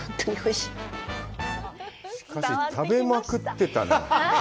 しかし、食べまくってたね。